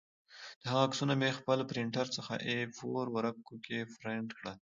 د هغه عکسونه مې د خپل پرنټر څخه اې فور ورقو کې پرنټ کړل